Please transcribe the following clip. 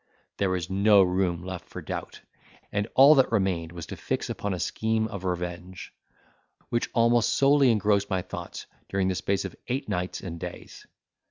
There was no room left for doubt; and all that remained was to fix upon a scheme of revenge, which almost solely engrossed my thoughts during the space of eight nights and days.